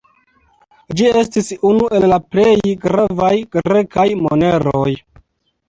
Ĝi estis unu el la plej gravaj grekaj moneroj.